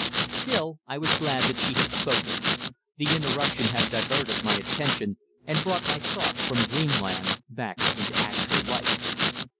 Still, I was glad that she had spoken. The interruption had diverted my attention, and brought my thoughts from dreamland back into actual life.